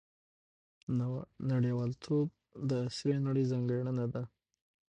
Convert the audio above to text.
• نړیوالتوب د عصري نړۍ ځانګړنه ده.